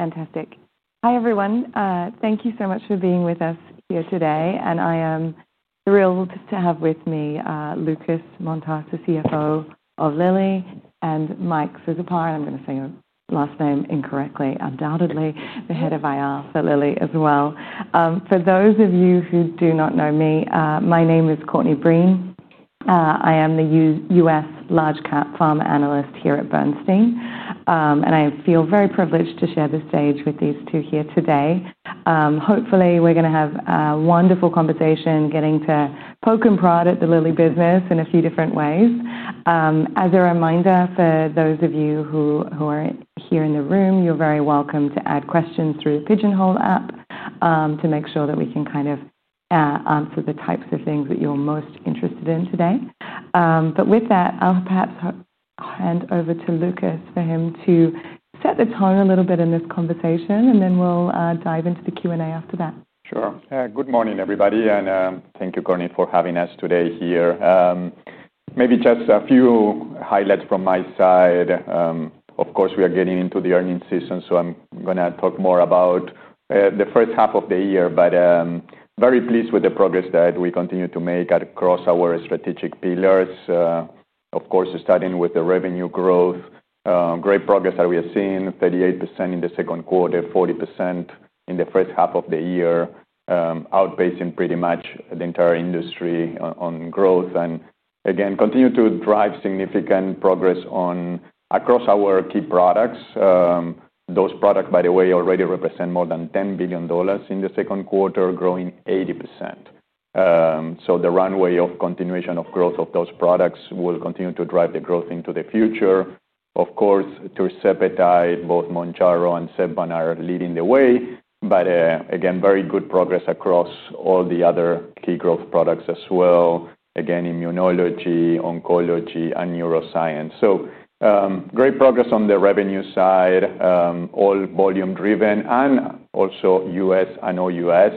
Fantastic. Hi, everyone. Thank you so much for being with us here today. I am thrilled to have with me Lucas Montarce, CFO of Lilly, and Mike Czapar, and I'm going to say your last name incorrectly, undoubtedly the Head of IR for Lilly as well. For those of you who do not know me, my name is Courtney Breen. I am the US Large Cap Pharma Analyst here at Bernstein. I feel very privileged to share the stage with these two here today. Hopefully, we're going to have a wonderful conversation, getting to poke and prod at the Lilly business in a few different ways. As a reminder for those of you who are here in the room, you're very welcome to add questions through the Pigeonhole app to make sure that we can kind of answer the types of things that you're most interested in today. With that, I'll perhaps hand over to Lucas for him to set the tone a little bit in this conversation. Then we'll dive into the Q&A after that. Sure. Good morning, everybody. Thank you, Courtney, for having us today here. Maybe just a few highlights from my side. Of course, we are getting into the earnings season, so I'm going to talk more about the first half of the year. I'm very pleased with the progress that we continue to make across our strategic pillars. Of course, starting with the revenue growth, great progress that we have seen, 38% in the second quarter, 40% in the first half of the year, outpacing pretty much the entire industry on growth. Again, continue to drive significant progress across our key products. Those products, by the way, already represent more than $10 billion in the second quarter, growing 80%. The runway of continuation of growth of those products will continue to drive the growth into the future. Of course, tirzepatide, both Mounjaro and Zepbound are leading the way. Again, very good progress across all the other key growth products as well, immunology, oncology, and neuroscience. Great progress on the revenue side, all volume-driven, and also U.S. and OUS.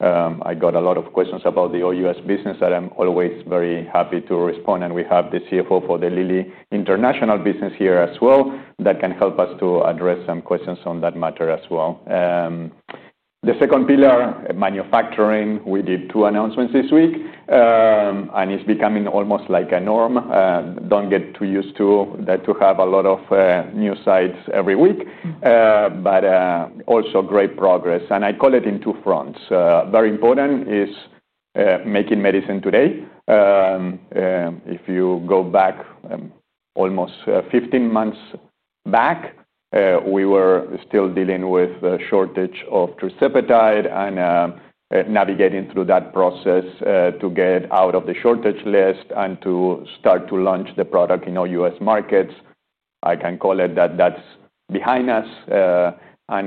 I get a lot of questions about the OUS business that I'm always very happy to respond. We have the CFO for the Lilly International business here as well that can help us to address some questions on that matter as well. The second pillar, manufacturing, we did two announcements this week. It's becoming almost like a norm. Do not get too used to that, to have a lot of news sites every week. Also, great progress. I call it in two fronts. Very important is making medicine today. If you go back almost 15 months back, we were still dealing with a shortage of tirzepatide and navigating through that process to get out of the shortage list and to start to launch the product in OUS markets. I can call it that that's behind us.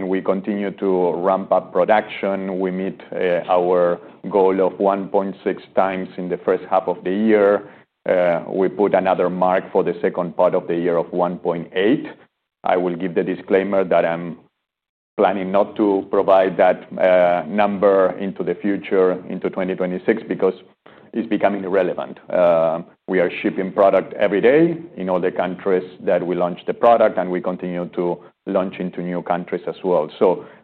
We continue to ramp up production. We meet our goal of 1.6 times in the first half of the year. We put another mark for the second part of the year of 1.8. I will give the disclaimer that I'm planning not to provide that number into the future, into 2026, because it's becoming relevant. We are shipping product every day in all the countries that we launched the product. We continue to launch into new countries as well.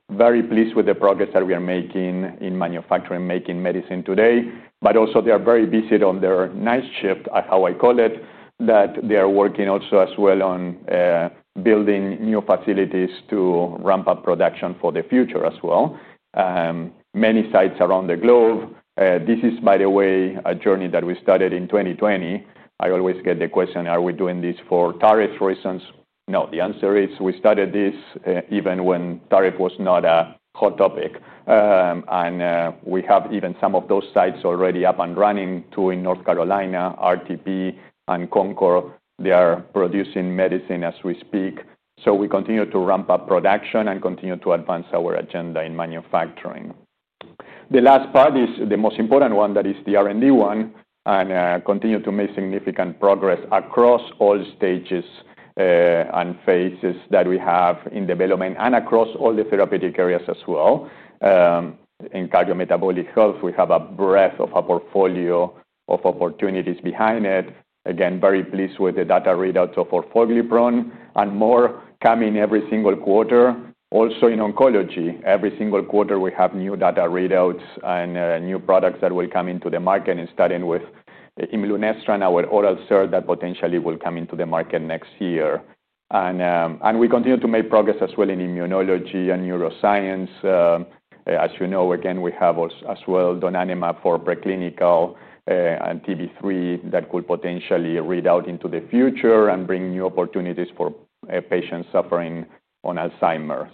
I'm very pleased with the progress that we are making in manufacturing, making medicine today. They are very busy on their night shift, how I call it, that they are working also as well on building new facilities to ramp up production for the future as well. Many sites around the globe, this is, by the way, a journey that we started in 2020. I always get the question, are we doing this for tariff reasons? No, the answer is we started this even when tariff was not a hot topic. We have even some of those sites already up and running in North Carolina, RTP, and Concord. They are producing medicine as we speak. We continue to ramp up production and continue to advance our agenda in manufacturing. The last part is the most important one that is the R&D one. We continue to make significant progress across all stages and phases that we have in development and across all the therapeutic areas as well. In cardiometabolic health, we have a breadth of a portfolio of opportunities behind it. Again, very pleased with the data readouts of our Orforglipron and more coming every single quarter. Also in oncology, every single quarter we have new data readouts and new products that will come into the market, starting with Immunestra, our oral syrup that potentially will come into the market next year. We continue to make progress as well in immunology and neuroscience. As you know, we have as well Donanemab for preclinical and TB3 that could potentially read out into the future and bring new opportunities for patients suffering from Alzheimer's.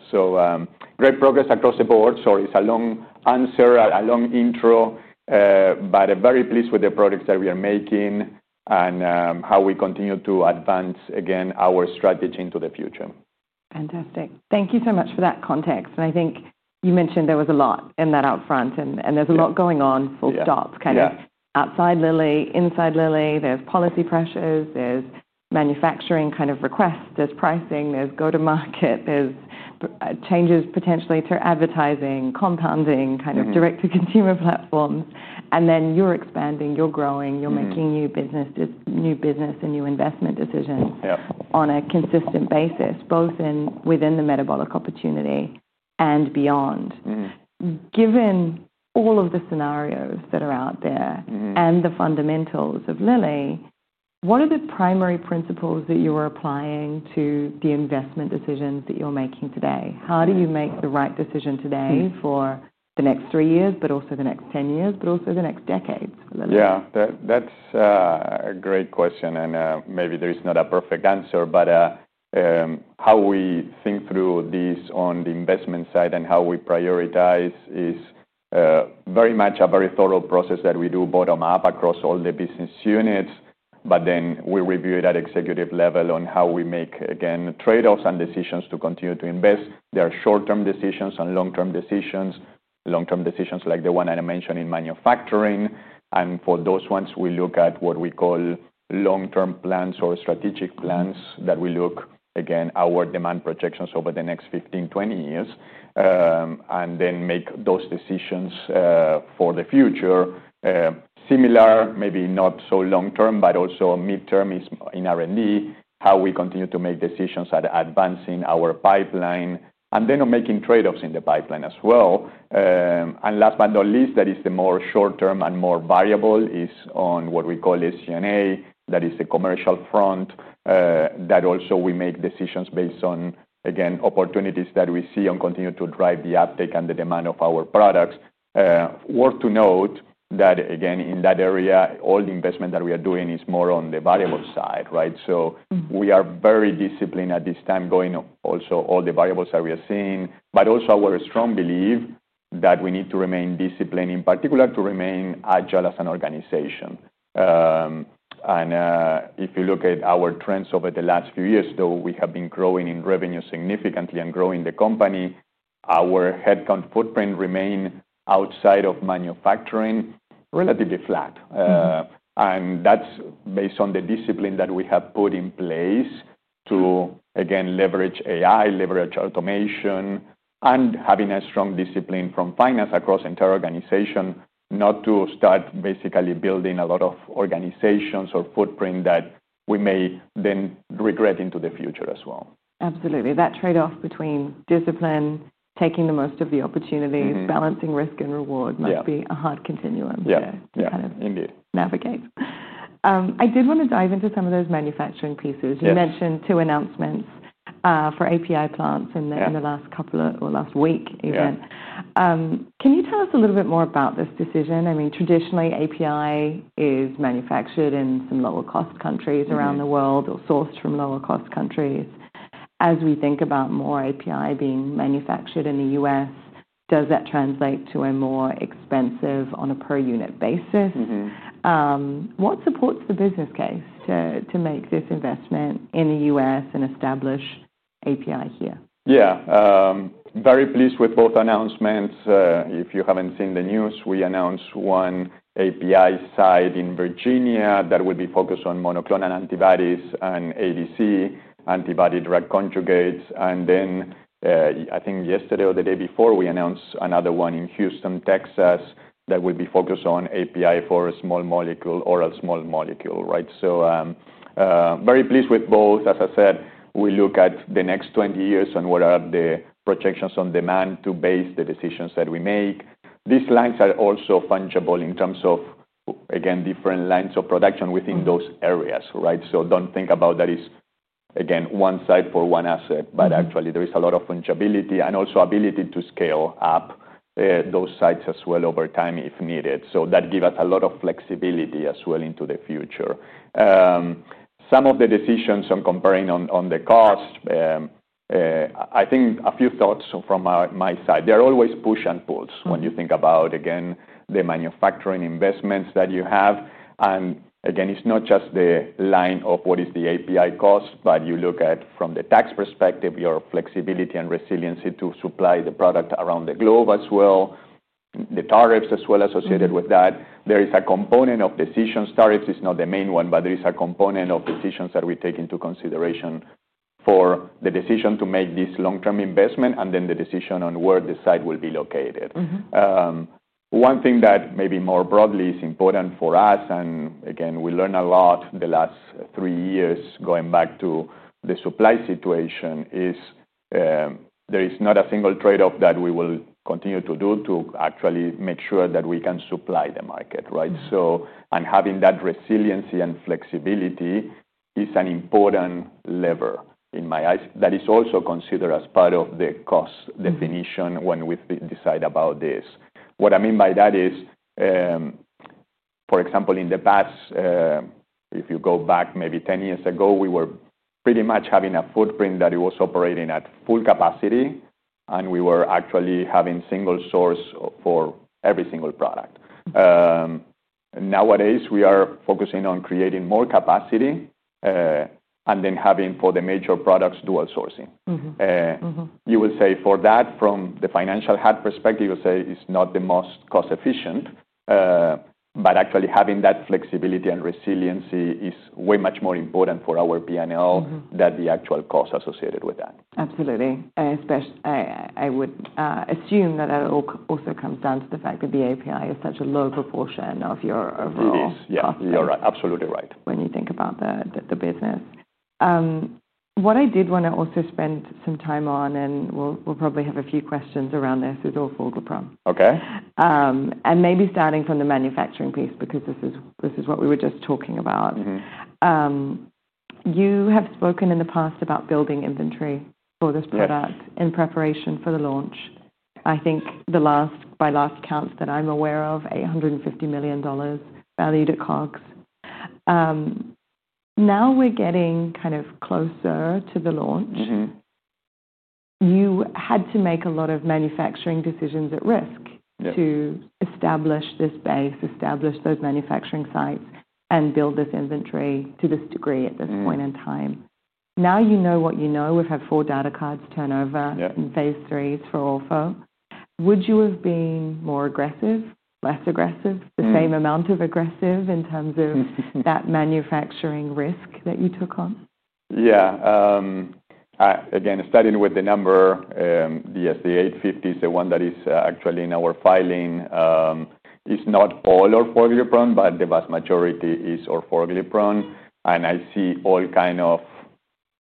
Great progress across the board. Sorry, it's a long answer, a long intro. I'm very pleased with the products that we are making and how we continue to advance, again, our strategy into the future. Fantastic. Thank you so much for that context. I think you mentioned there was a lot in that upfront. There's a lot going on, full stop, kind of outside Lilly, inside Lilly. There are policy pressures, manufacturing kind of requests, pricing, go-to-market, and changes potentially to advertising, compounding kind of direct-to-consumer platforms. You're expanding, you're growing, you're making new business and new investment decisions on a consistent basis, both within the metabolic opportunity and beyond. Given all of the scenarios that are out there and the fundamentals of Lilly, what are the primary principles that you are applying to the investment decisions that you're making today? How do you make the right decision today for the next three years, but also the next 10 years, but also the next decades? Yeah, that's a great question. Maybe there is not a perfect answer. How we think through this on the investment side and how we prioritize is very much a very thorough process that we do bottom-up across all the business units. We review it at executive level on how we make, again, trade-offs and decisions to continue to invest. There are short-term decisions and long-term decisions, long-term decisions like the one I mentioned in manufacturing. For those ones, we look at what we call long-term plans or strategic plans that we look, again, at our demand projections over the next 15, 20 years, and then make those decisions for the future. Similar, maybe not so long-term, but also midterm is in R&D, how we continue to make decisions at advancing our pipeline and then making trade-offs in the pipeline as well. Last but not least, that is the more short-term and more variable is on what we call SENA, that is the commercial front, that also we make decisions based on, again, opportunities that we see and continue to drive the uptake and the demand of our products. Worth to note that, again, in that area, all the investment that we are doing is more on the variable side, right? We are very disciplined at this time, going also all the variables that we are seeing, but also our strong belief that we need to remain disciplined, in particular to remain agile as an organization. If you look at our trends over the last few years, though, we have been growing in revenue significantly and growing the company. Our headcount footprint remains outside of manufacturing relatively flat. That's based on the discipline that we have put in place to, again, leverage AI, leverage automation, and having a strong discipline from finance across the entire organization, not to start basically building a lot of organizations or footprint that we may then regret into the future as well. Absolutely. That trade-off between discipline, taking the most of the opportunities, balancing risk and reward must be a hard continuum to navigate. I did want to dive into some of those manufacturing pieces. You mentioned two announcements for API plants in the last couple of, or last week even. Can you tell us a little bit more about this decision? I mean, traditionally, API is manufactured in some lower-cost countries around the world or sourced from lower-cost countries. As we think about more API being manufactured in the U.S., does that translate to a more expensive on a per-unit basis? What supports the business case to make this investment in the U.S. and establish API here? Yeah, very pleased with both announcements. If you haven't seen the news, we announced one API site in Virginia that will be focused on monoclonal antibodies and ADC, antibody-drug conjugates. I think yesterday or the day before, we announced another one in Houston, Texas, that will be focused on API for a small molecule, oral small molecule, right? Very pleased with both. As I said, we look at the next 20 years and what are the projections on demand to base the decisions that we make. These lines are also fungible in terms of different lines of production within those areas, right? Don't think about that as one site for one asset. Actually, there is a lot of fungibility and also ability to scale up those sites as well over time if needed. That gives us a lot of flexibility as well into the future. Some of the decisions I'm comparing on the cost, I think a few thoughts from my side. There are always push and pulls when you think about the manufacturing investments that you have. It's not just the line of what is the API cost, but you look at from the tax perspective, your flexibility and resiliency to supply the product around the globe as well, the tariffs as well associated with that. There is a component of decisions. Tariffs is not the main one, but there is a component of decisions that we take into consideration for the decision to make this long-term investment and then the decision on where the site will be located. One thing that maybe more broadly is important for us, and we learned a lot the last three years going back to the supply situation, is there is not a single trade-off that we will continue to do to actually make sure that we can supply the market, right? Having that resiliency and flexibility is an important lever in my eyes that is also considered as part of the cost definition when we decide about this. What I mean by that is, for example, in the past, if you go back maybe 10 years ago, we were pretty much having a footprint that was operating at full capacity. We were actually having single source for every single product. Nowadays, we are focusing on creating more capacity and then having for the major products dual sourcing. You will say for that, from the financial health perspective, you'll say it's not the most cost-efficient. Actually, having that flexibility and resiliency is way much more important for our P&L than the actual cost associated with that. Absolutely. I would assume that it also comes down to the fact that the API is such a low proportion of your overall cost. It is. Yeah, you're absolutely right. When you think about the business, what I did want to also spend some time on, and we'll probably have a few questions around this, is Orforglipron. OK. Maybe starting from the manufacturing piece, because this is what we were just talking about. You have spoken in the past about building inventory for this product in preparation for the launch. I think by last counts that I'm aware of, $850 million valued at cost. Now we're getting kind of closer to the launch. You had to make a lot of manufacturing decisions at risk to establish this base, establish those manufacturing sites, and build this inventory to this degree at this point in time. Now you know what you know. We've had four data cards turn over in phase three through all four. Would you have been more aggressive, less aggressive, the same amount of aggressive in terms of that manufacturing risk that you took on? Yeah. Again, starting with the number, the 850 is the one that is actually in our filing. It's not all Orforglipron, but the vast majority is Orforglipron. I see all kinds of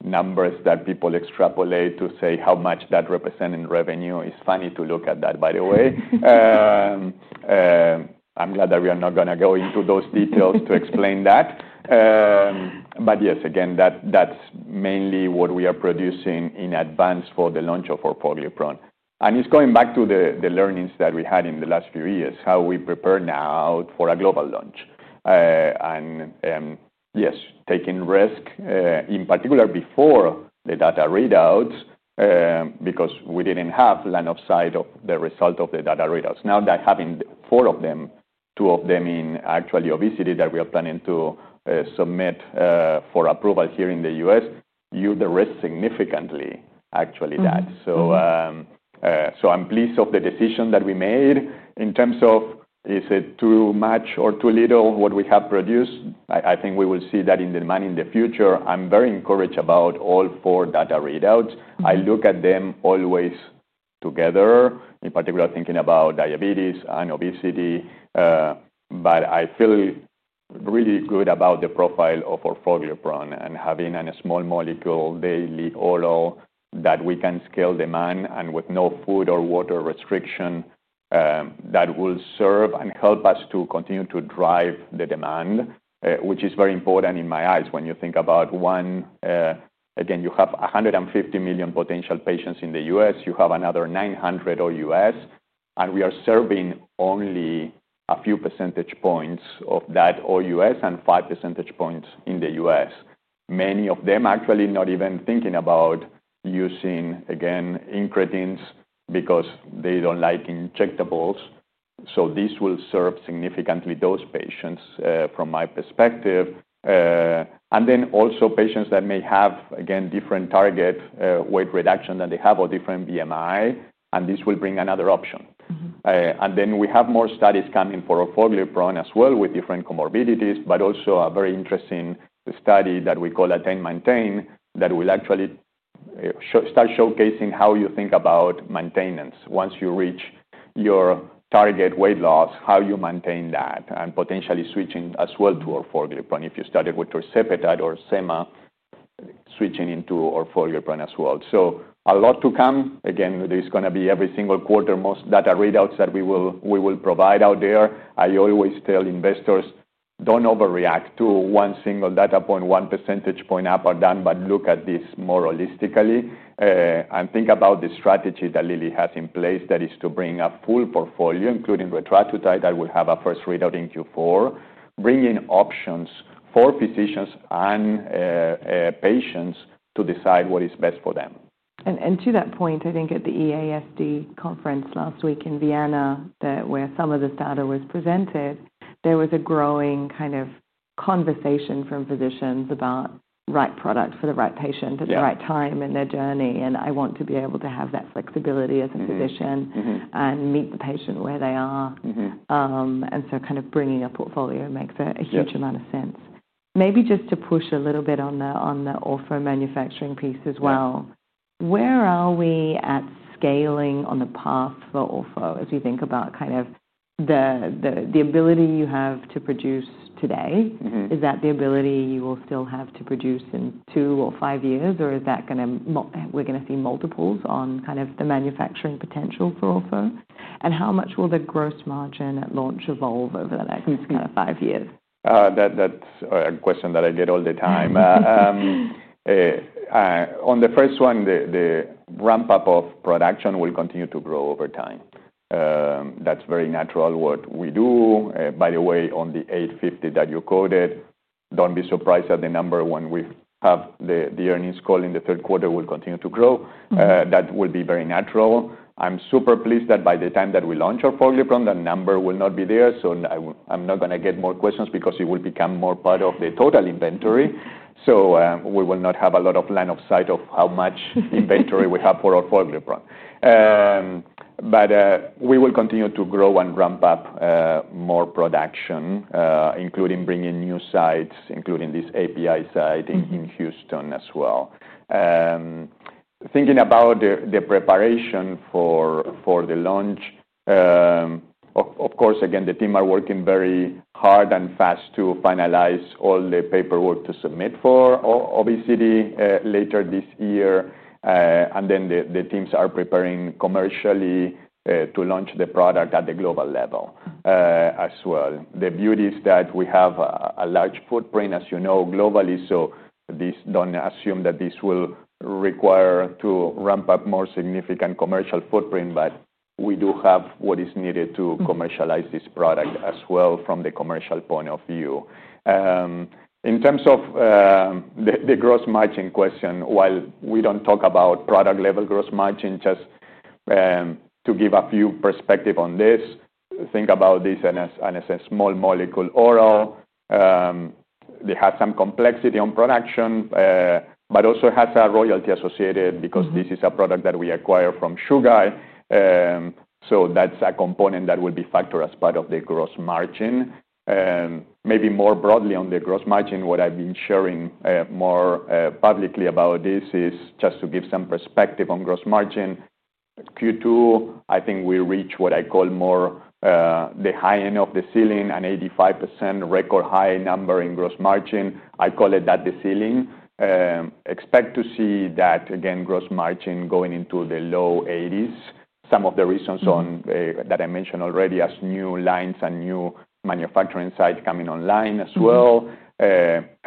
numbers that people extrapolate to say how much that represents in revenue. It's funny to look at that, by the way. I'm glad that we are not going to go into those details to explain that. Yes, again, that's mainly what we are producing in advance for the launch of Orforglipron. It's going back to the learnings that we had in the last few years, how we prepare now for a global launch. Yes, taking risk in particular before the data readouts, because we didn't have line of sight of the result of the data readouts. Now that having four of them, two of them in actually obesity that we are planning to submit for approval here in the U.S., you've risked significantly, actually, that. I'm pleased of the decision that we made in terms of is it too much or too little what we have produced. I think we will see that in the demand in the future. I'm very encouraged about all four data readouts. I look at them always together, in particular thinking about diabetes and obesity. I feel really good about the profile of Orforglipron and having a small molecule daily oral that we can scale demand and with no food or water restriction that will serve and help us to continue to drive the demand, which is very important in my eyes when you think about one. Again, you have 150 million potential patients in the U.S. You have another 900 million OUS. We are serving only a few % points of that OUS and 5% points in the U.S. Many of them actually not even thinking about using, again, incretins because they don't like injectables. This will serve significantly those patients from my perspective. Also, patients that may have, again, different target weight reduction that they have or different BMI. This will bring another option. We have more studies coming for Orforglipron as well with different comorbidities, but also a very interesting study that we call Attend Maintain that will actually start showcasing how you think about maintenance once you reach your target weight loss, how you maintain that, and potentially switching as well to Orforglipron if you started with tirzepatide or Sema, switching into Orforglipron as well. A lot to come. There's going to be every single quarter most data readouts that we will provide out there. I always tell investors, don't overreact to one single data point, one percentage point up or down, but look at this more holistically and think about the strategy that Lilly has in place, that is to bring a full portfolio, including Retatrutide that will have a first readout in Q4, bringing options for physicians and patients to decide what is best for them. To that point, I think at the EASD conference last week in Vienna, where some of this data was presented, there was a growing kind of conversation from physicians about the right product for the right patient at the right time in their journey. I want to be able to have that flexibility as a physician and meet the patient where they are. Bringing a portfolio makes a huge amount of sense. Maybe just to push a little bit on the Orforglipron manufacturing piece as well. Where are we at scaling on the path for Orforglipron as you think about the ability you have to produce today? Is that the ability you will still have to produce in two or five years, or are we going to see multiples on the manufacturing potential for Orforglipron? How much will the gross margin at launch evolve over the next five years? That's a question that I get all the time. On the first one, the ramp-up of production will continue to grow over time. That's very natural what we do. By the way, on the 850 that you quoted, don't be surprised if the number when we have the earnings call in the third quarter will continue to grow. That will be very natural. I'm super pleased that by the time that we launch Orforglipron, that number will not be there. I'm not going to get more questions because it will become more part of the total inventory. We will not have a lot of line of sight of how much inventory we have for Orforglipron. We will continue to grow and ramp up more production, including bringing new sites, including this API site in Houston, Texas as well. Thinking about the preparation for the launch, of course, again, the team are working very hard and fast to finalize all the paperwork to submit for obesity later this year. The teams are preparing commercially to launch the product at the global level as well. The beauty is that we have a large footprint, as you know, globally. Don't assume that this will require to ramp up more significant commercial footprint. We do have what is needed to commercialize this product as well from the commercial point of view. In terms of the gross margin question, while we don't talk about product-level gross margin, just to give a few perspectives on this, think about this as a small molecule oral. They have some complexity on production, but also has a royalty associated because this is a product that we acquire from Sugar. That's a component that will be factored as part of the gross margin. Maybe more broadly on the gross margin, what I've been sharing more publicly about this is just to give some perspective on gross margin. Q2, I think we reach what I call more the high end of the ceiling, an 85% record high number in gross margin. I call it the ceiling. Expect to see that, again, gross margin going into the low 80s. Some of the reasons that I mentioned already as new lines and new manufacturing sites coming online as well,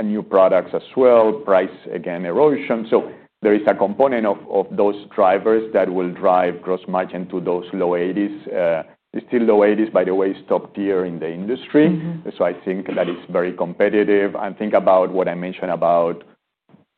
new products as well, price, again, erosion. There is a component of those drivers that will drive gross margin to those low 80s. Still low 80s, by the way, is top tier in the industry. I think that is very competitive. Think about what I mentioned about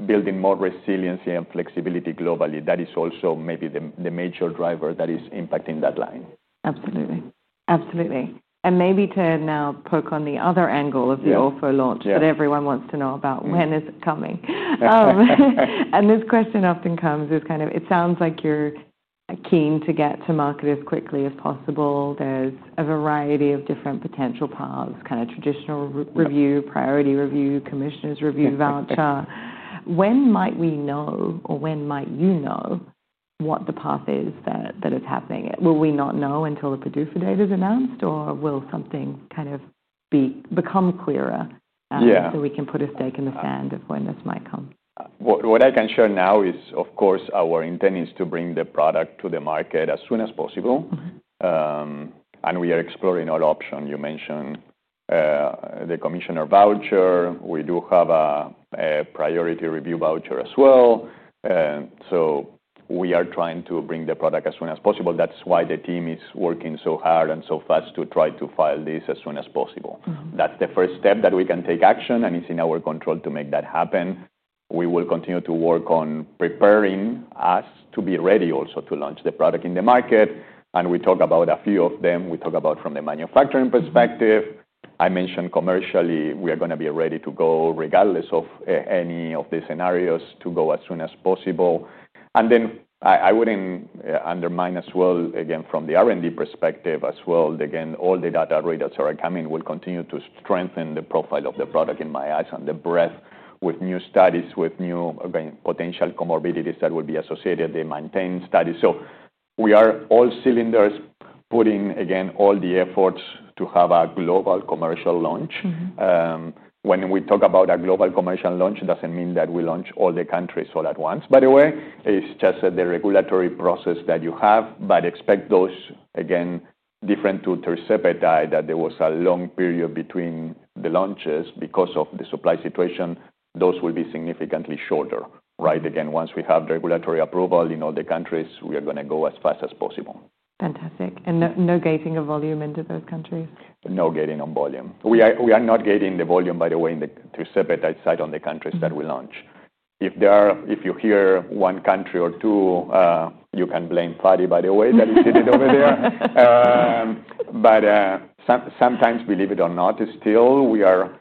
building more resiliency and flexibility globally. That is also maybe the major driver that is impacting that line. Absolutely. Maybe to now poke on the other angle of the orphan launch that everyone wants to know about, when is it coming? This question often comes as kind of it sounds like you're keen to get to market as quickly as possible. There's a variety of different potential paths, kind of traditional review, priority review, commissioner's review voucher. When might we know or when might you know what the path is that is happening? Will we not know until the PDUFA date is announced? Or will something kind of become clearer so we can put a stake in the sand of when this might come? What I can share now is, of course, our intent is to bring the product to the market as soon as possible. We are exploring all options. You mentioned the commissioner voucher. We do have a priority review voucher as well. We are trying to bring the product as soon as possible. That's why the team is working so hard and so fast to try to file this as soon as possible. That's the first step that we can take action. It's in our control to make that happen. We will continue to work on preparing us to be ready also to launch the product in the market. We talk about a few of them. We talk about from the manufacturing perspective. I mentioned commercially, we are going to be ready to go regardless of any of the scenarios to go as soon as possible. I wouldn't undermine as well, again, from the R&D perspective as well. Again, all the data readouts that are coming will continue to strengthen the profile of the product in my eyes and the breadth with new studies, with new potential comorbidities that will be associated, the maintained studies. We are all cylinders putting, again, all the efforts to have a global commercial launch. When we talk about a global commercial launch, it doesn't mean that we launch all the countries all at once, by the way. It's just the regulatory process that you have. Expect those, again, different to tirzepatide, that there was a long period between the launches because of the supply situation. Those will be significantly shorter, right? Once we have regulatory approval in all the countries, we are going to go as fast as possible. Fantastic. No gating of volume into those countries? No gating on volume. We are not gating the volume, by the way, in the tirzepatide side on the countries that we launch. If you hear one country or two, you can blame Fati, by the way, that is sitting over there. Sometimes, believe it or not, still we are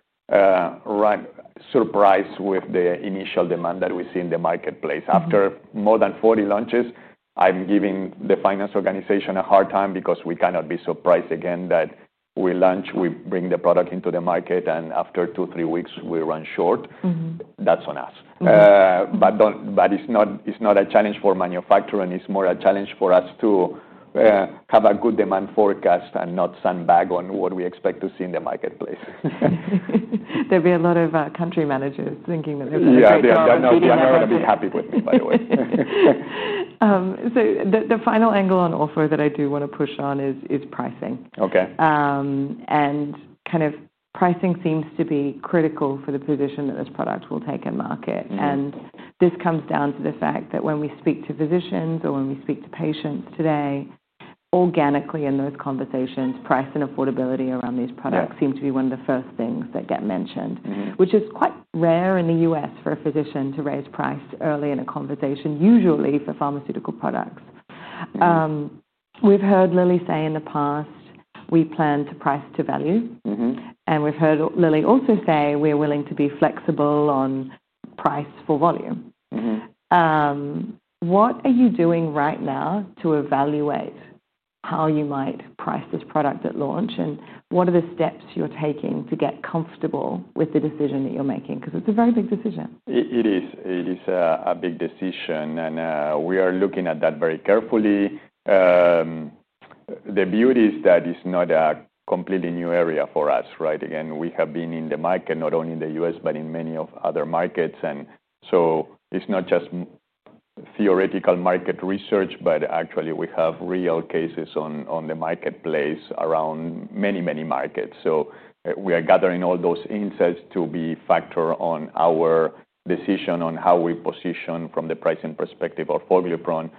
surprised with the initial demand that we see in the marketplace. After more than 40 launches, I'm giving the finance organization a hard time because we cannot be surprised again that we launch, we bring the product into the market, and after two, three weeks, we run short. That's on us. It is not a challenge for manufacturing. It is more a challenge for us to have a good demand forecast and not sandbag on what we expect to see in the marketplace. There'll be a lot of country managers thinking that they're going to change their mind. Yeah, yeah, they're not going to be happy with me, by the way. The final angle on orphan that I do want to push on is pricing. OK. Pricing seems to be critical for the position that this product will take in market. This comes down to the fact that when we speak to physicians or when we speak to patients today, organically in those conversations, price and affordability around these products seem to be one of the first things that get mentioned, which is quite rare in the U.S. for a physician to raise price early in a conversation, usually for pharmaceutical products. We've heard Lilly say in the past, we plan to price to value. We've heard Lilly also say we're willing to be flexible on price for volume. What are you doing right now to evaluate how you might price this product at launch? What are the steps you're taking to get comfortable with the decision that you're making? It's a very big decision. It is. It is a big decision. We are looking at that very carefully. The beauty is that it's not a completely new area for us, right? Again, we have been in the market, not only in the U.S., but in many other markets. It's not just theoretical market research, but actually, we have real cases on the marketplace around many, many markets. We are gathering all those insights to be factored in our decision on how we position from the pricing perspective of Orforglipron.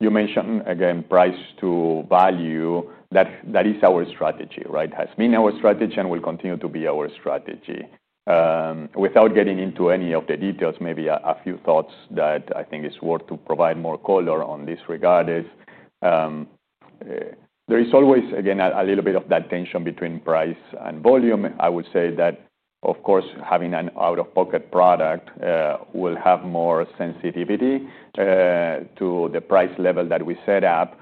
You mentioned, again, price to value. That is our strategy, right? Has been our strategy and will continue to be our strategy. Without getting into any of the details, maybe a few thoughts that I think are worth providing more color on in this regard is there is always, again, a little bit of that tension between price and volume. I would say that, of course, having an out-of-pocket product will have more sensitivity to the price level that we set up.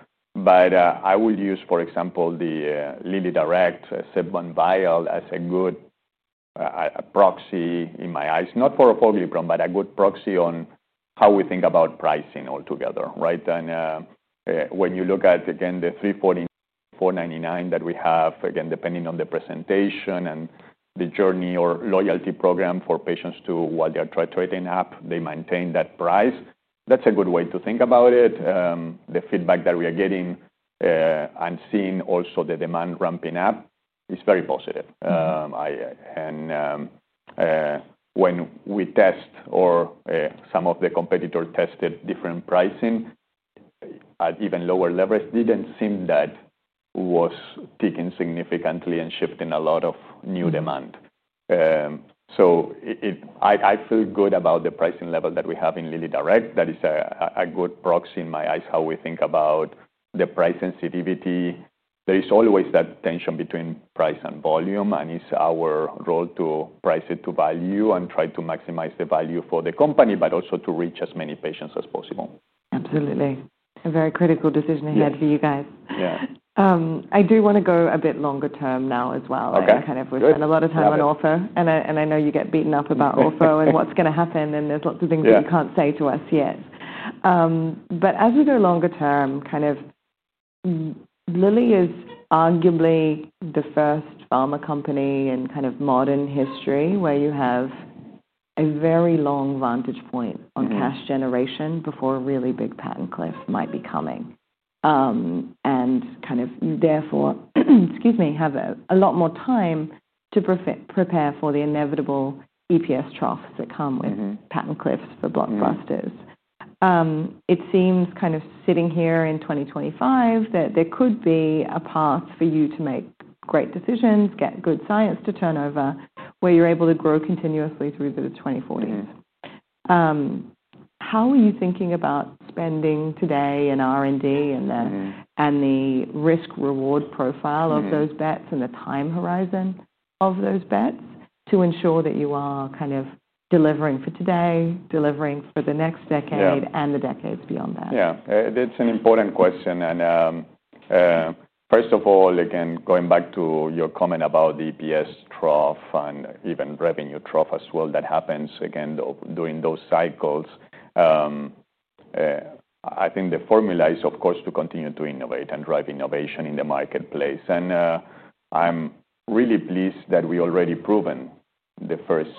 I will use, for example, the Lilly Direct SubQ Vial as a good proxy in my eyes, not for Orforglipron, but a good proxy on how we think about pricing altogether, right? When you look at, again, the $340, $499 that we have, again, depending on the presentation and the journey or loyalty program for patients to, while they are titrating up, they maintain that price. That's a good way to think about it. The feedback that we are getting and seeing also the demand ramping up is very positive. When we test or some of the competitors tested different pricing at even lower levels, it didn't seem that it was ticking significantly and shifting a lot of new demand. I feel good about the pricing level that we have in Lilly Direct. That is a good proxy in my eyes how we think about the price sensitivity. There is always that tension between price and volume. It's our role to price it to value and try to maximize the value for the company, but also to reach as many patients as possible. Absolutely. A very critical decision ahead for you guys. Yeah. I do want to go a bit longer term now as well. OK. We've spent a lot of time on Orforglipron. I know you get beaten up about Orforglipron and what's going to happen, and there are lots of things that you can't say to us yet. As you go longer term, Lilly is arguably the first pharma company in modern history where you have a very long vantage point on cash generation before a really big patent cliff might be coming. You therefore, excuse me, have a lot more time to prepare for the inevitable EPS troughs that come with patent cliffs for blockbusters. It seems sitting here in 2025 that there could be a path for you to make great decisions, get good science to turnover, where you're able to grow continuously through the 2040s. How are you thinking about spending today in R&D and the risk-reward profile of those bets and the time horizon of those bets to ensure that you are delivering for today, delivering for the next decade, and the decades beyond that? Yeah, that's an important question. First of all, going back to your comment about the EPS trough and even revenue trough as well that happens during those cycles, I think the formula is, of course, to continue to innovate and drive innovation in the marketplace. I'm really pleased that we already proven the first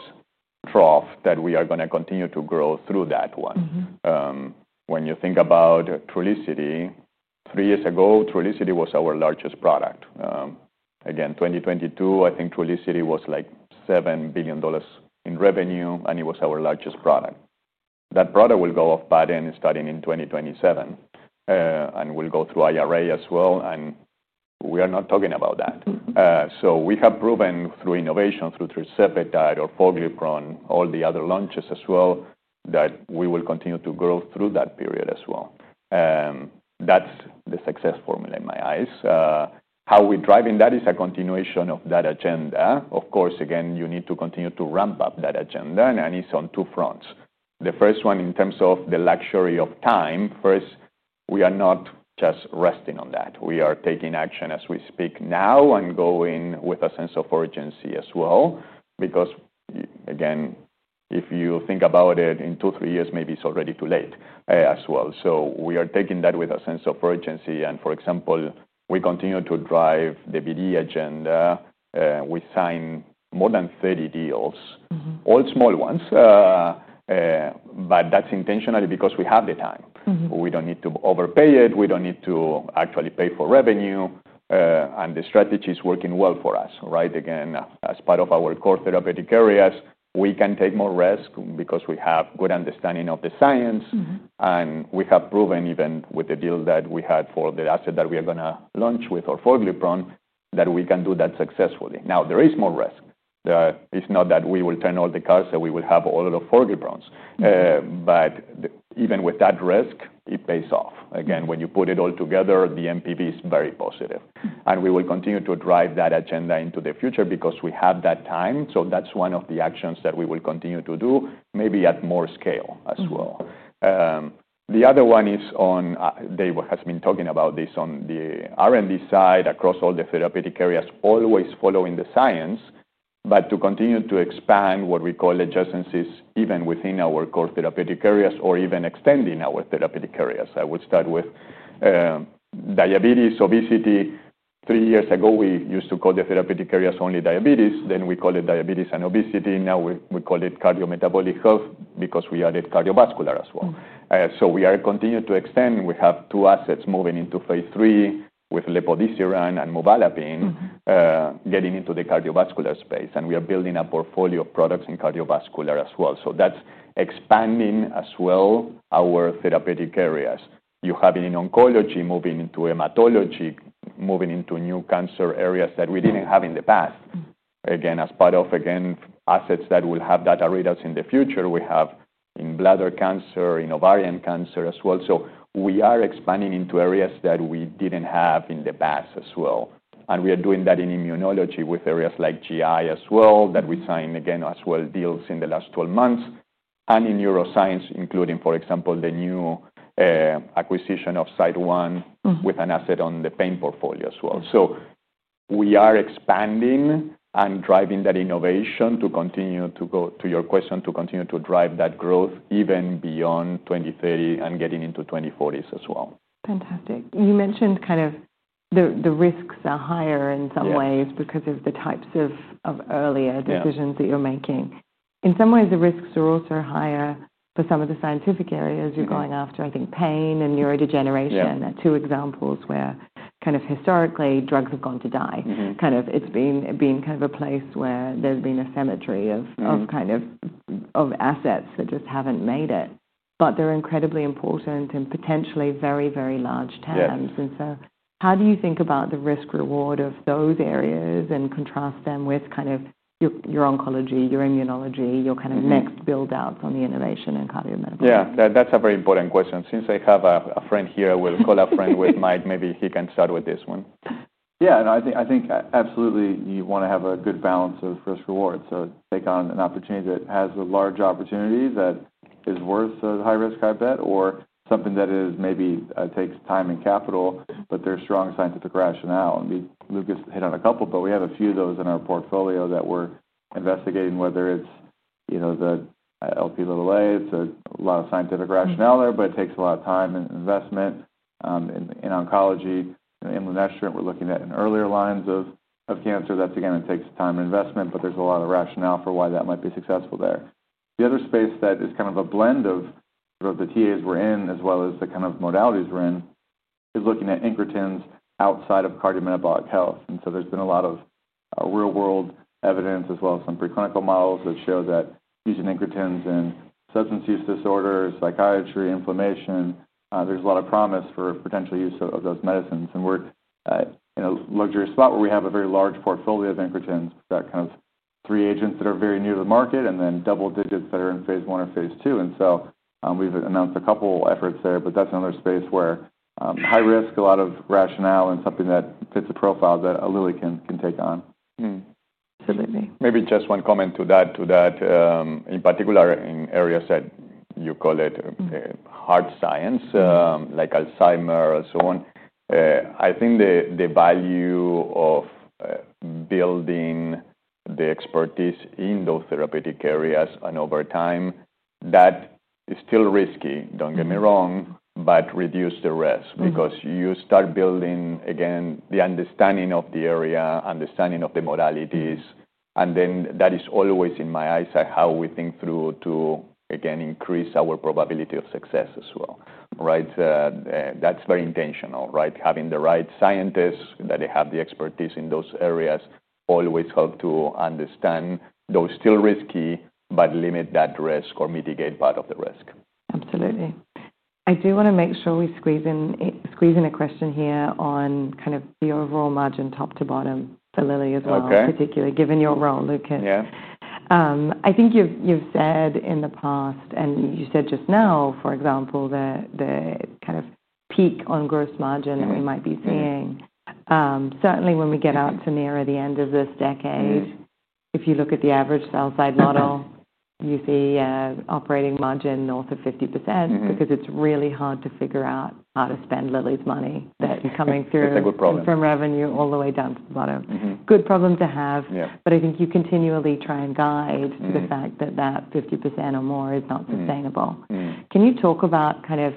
trough that we are going to continue to grow through that one. When you think about Trulicity, three years ago, Trulicity was our largest product. In 2022, I think Trulicity was like $7 billion in revenue, and it was our largest product. That product will go off patent starting in 2027 and will go through IRA as well. We are not talking about that. We have proven through innovation, through Mounjaro (tirzepatide), Orforglipron, all the other launches as well, that we will continue to grow through that period as well. That's the success formula in my eyes. How we're driving that is a continuation of that agenda. Of course, you need to continue to ramp up that agenda, and it's on two fronts. The first one in terms of the luxury of time. We are not just resting on that. We are taking action as we speak now and going with a sense of urgency as well. If you think about it in two, three years, maybe it's already too late as well. We are taking that with a sense of urgency. For example, we continue to drive the BD agenda. We signed more than 30 deals, all small ones. That's intentionally because we have the time. We don't need to overpay. We don't need to actually pay for revenue, and the strategy is working well for us, right? As part of our core therapeutic areas, we can take more risk because we have a good understanding of the science. We have proven even with the deal that we had for the asset that we are going to launch with Orforglipron that we can do that successfully. There is more risk. It's not that we will turn all the cards and we will have all Orforgliprons. Even with that risk, it pays off. When you put it all together, the NPB is very positive. We will continue to drive that agenda into the future because we have that time. That's one of the actions that we will continue to do, maybe at more scale as well. The other one is on, Dave has been talking about this on the R&D side across all the therapeutic areas, always following the science, but to continue to expand what we call adjacencies even within our core therapeutic areas or even extending our therapeutic areas. I would start with diabetes, obesity. Three years ago, we used to call the therapeutic areas only diabetes. Then we called it diabetes and obesity. Now we call it cardiometabolic health because we added cardiovascular as well. We are continuing to extend. We have two assets moving into phase three with Lepodiesciran and Movalapin, getting into the cardiovascular space. We are building a portfolio of products in cardiovascular as well. That's expanding as well our therapeutic areas. You have it in oncology, moving into hematology, moving into new cancer areas that we didn't have in the past. As part of assets that will have data readouts in the future, we have in bladder cancer, in ovarian cancer as well. We are expanding into areas that we didn't have in the past as well. We are doing that in immunology with areas like GI as well that we signed deals in the last 12 months. In neuroscience, including, for example, the new acquisition of Site One with an asset on the pain portfolio as well. We are expanding and driving that innovation to continue to go to your question, to continue to drive that growth even beyond 2030 and getting into 2040s as well. Fantastic. You mentioned the risks are higher in some ways because of the types of earlier decisions that you're making. In some ways, the risks are also higher for some of the scientific areas you're going after. I think pain and neurodegeneration are two examples where historically, drugs have gone to die. It's been a place where there's been a cemetery of assets that just haven't made it. They're incredibly important and potentially very, very large terms. How do you think about the risk-reward of those areas and contrast them with your oncology, your immunology, your next build-outs on the innovation and cardiometabolic health? Yeah, that's a very important question. Since I have a friend here, we'll call a friend with Mike. Maybe he can start with this one. Yeah, I think absolutely you want to have a good balance of risk-reward. Take on an opportunity that has a large opportunity that is worth the high risk, high bet, or something that maybe takes time and capital, but there's strong scientific rationale. Lucas hit on a couple, but we have a few of those in our portfolio that we're investigating, whether it's the LPAA. There's a lot of scientific rationale there, but it takes a lot of time and investment. In oncology, in Lynester, we're looking at earlier lines of cancer. That takes time and investment, but there's a lot of rationale for why that might be successful there. The other space that is kind of a blend of the TAs we're in, as well as the kind of modalities we're in, is looking at incretins outside of cardiometabolic health. There's been a lot of real-world evidence, as well as some preclinical models that show that fusion incretins in substance use disorders, psychiatry, inflammation, there's a lot of promise for potential use of those medicines. We're in a luxury spot where we have a very large portfolio of incretins, that kind of three agents that are very new to the market, and then double digits that are in phase one or phase two. We've announced a couple of efforts there. That's another space where high risk, a lot of rationale, and something that fits a profile that a Lilly can take on. Absolutely. Maybe just one comment to that, in particular in areas that you call it hard science, like Alzheimer's or so on. I think the value of building the expertise in those therapeutic areas over time, that is still risky, don't get me wrong, but reduces the risk because you start building the understanding of the area, understanding of the modalities. That is always, in my eyes, how we think through to increase our probability of success as well. That's very intentional, right? Having the right scientists that have the expertise in those areas always helps to understand those still risky, but limit that risk or mitigate part of the risk. Absolutely. I do want to make sure we squeeze in a question here on kind of the overall margin top to bottom for Lilly as well, particularly given your role, Lucas. Yeah. I think you've said in the past, and you said just now, for example, the kind of peak on gross margin that we might be seeing. Certainly, when we get out to near the end of this decade, if you look at the average sell-side model, you see an operating margin north of 50% because it's really hard to figure out how to spend Lilly's money that's coming through. It's a good problem. From revenue all the way down to the bottom. Good problem to have. Yeah. I think you continually try and guide the fact that that 50% or more is not sustainable. Can you talk about kind of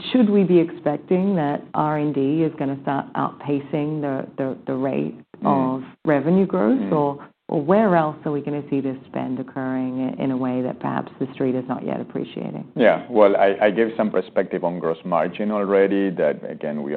should we be expecting that R&D is going to start outpacing the rate of revenue growth, or where else are we going to see this spend occurring in a way that perhaps the street is not yet appreciating? Yeah, I gave some perspective on gross margin already that, again, we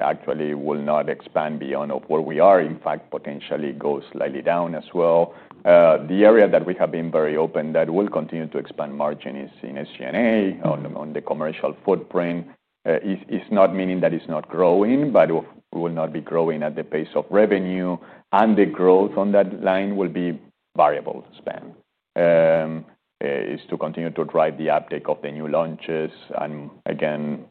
actually will not expand beyond where we are. In fact, potentially go slightly down as well. The area that we have been very open that will continue to expand margin is in SENA on the commercial footprint. It's not meaning that it's not growing, but it will not be growing at the pace of revenue. The growth on that line will be variable spend. It's to continue to drive the uptake of the new launches and, again,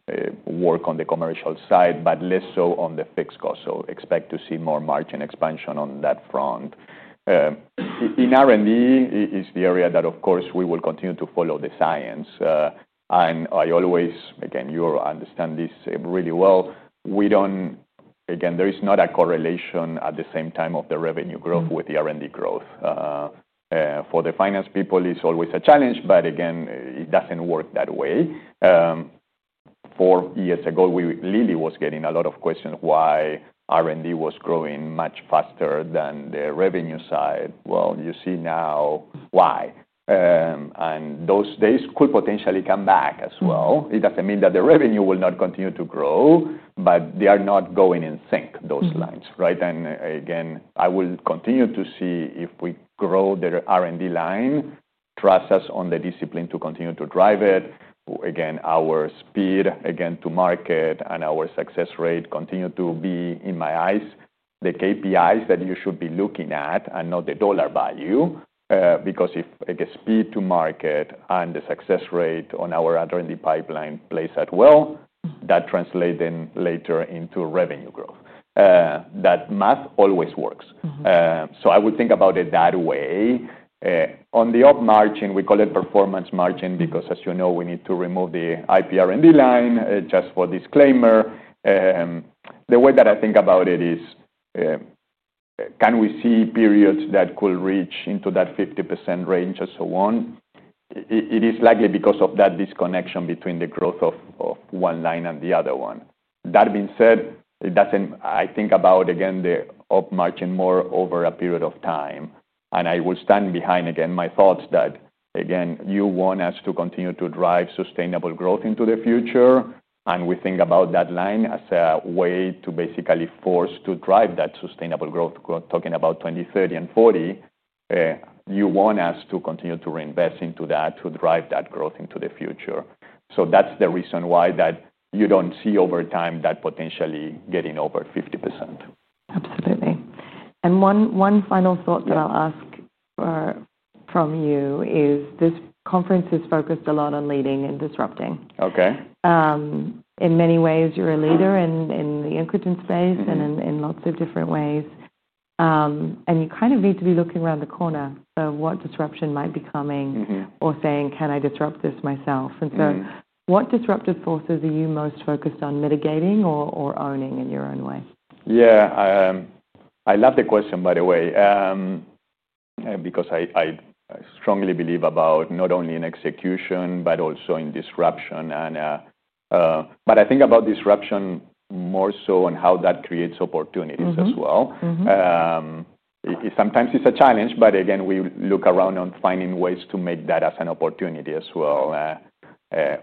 work on the commercial side, but less so on the fixed cost. Expect to see more margin expansion on that front. In R&D, it's the area that, of course, we will continue to follow the science. I always, again, you understand this really well. There is not a correlation at the same time of the revenue growth with the R&D growth. For the finance people, it's always a challenge. It doesn't work that way. Four years ago, Lilly was getting a lot of questions why R&D was growing much faster than the revenue side. You see now why. Those days could potentially come back as well. It doesn't mean that the revenue will not continue to grow, but they are not going in sync, those lines, right? I will continue to see if we grow the R&D line, trust us on the discipline to continue to drive it. Our speed, again, to market and our success rate continue to be, in my eyes, the KPIs that you should be looking at and not the dollar value. Because if the speed to market and the success rate on our R&D pipeline plays out well, that translates then later into revenue growth. That math always works. I would think about it that way. On the up margin, we call it performance margin because, as you know, we need to remove the IPR and D line, just for disclaimer. The way that I think about it is, can we see periods that could reach into that 50% range and so on? It is likely because of that disconnection between the growth of one line and the other one. That being said, I think about, again, the up margin more over a period of time. I will stand behind, again, my thoughts that, again, you want us to continue to drive sustainable growth into the future. We think about that line as a way to basically force to drive that sustainable growth, talking about 2030 and 2040. You want us to continue to reinvest into that to drive that growth into the future. That's the reason why you don't see over time that potentially getting over 50%. Absolutely. One final thought that I'll ask from you is this conference is focused a lot on leading and disrupting. OK. In many ways, you're a leader in the incretin space and in lots of different ways. You kind of need to be looking around the corner for what disruption might be coming or saying, can I disrupt this myself? What disruptive forces are you most focused on mitigating or owning in your own way? Yeah, I love the question, by the way, because I strongly believe not only in execution, but also in disruption. I think about disruption more so on how that creates opportunities as well. Sometimes it's a challenge. We look around on finding ways to make that as an opportunity as well.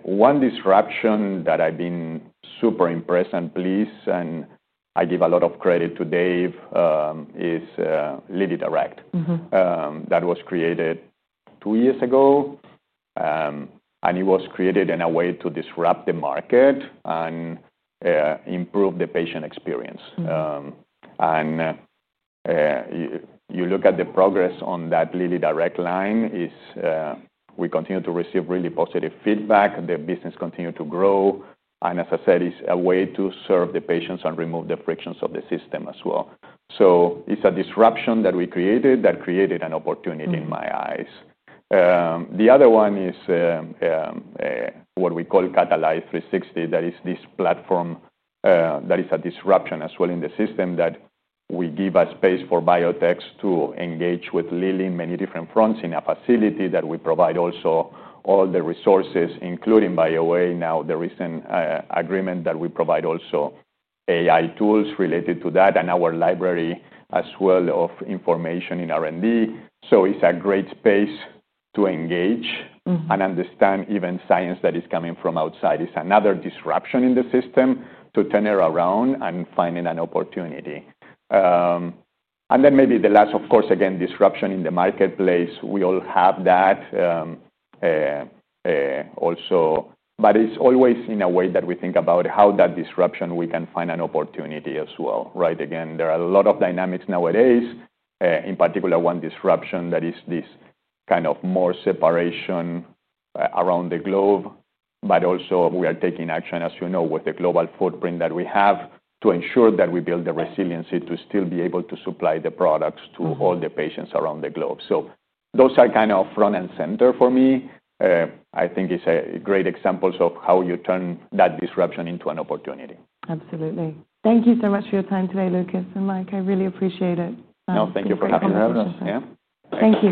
One disruption that I've been super impressed and pleased, and I give a lot of credit to Dave, is Lilly Direct. That was created two years ago. It was created in a way to disrupt the market and improve the patient experience. You look at the progress on that Lilly Direct line, we continue to receive really positive feedback. The business continues to grow. As I said, it's a way to serve the patients and remove the frictions of the system as well. It's a disruption that we created that created an opportunity in my eyes. The other one is what we call Catalyze 360. That is this platform that is a disruption as well in the system that we give a space for biotechs to engage with Lilly in many different fronts in a facility that we provide also all the resources, including, by the way, now the recent agreement that we provide also AI tools related to that and our library as well of information in R&D. It's a great space to engage and understand even science that is coming from outside. It's another disruption in the system to turn it around and find an opportunity. Maybe the last, of course, again, disruption in the marketplace. We all have that also. It's always in a way that we think about how that disruption we can find an opportunity as well, right? There are a lot of dynamics nowadays, in particular one disruption that is this kind of more separation around the globe. We are taking action, as you know, with the global footprint that we have to ensure that we build the resiliency to still be able to supply the products to all the patients around the globe. Those are kind of front and center for me. I think it's a great example of how you turn that disruption into an opportunity. Absolutely. Thank you so much for your time today, Lucas and Mike. I really appreciate it. No, thank you for having us. Thank you.